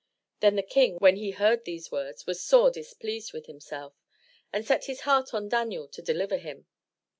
Then the King, when he heard these words, was sore dis pleased with himself, and set his heart on Daniel to deliver him.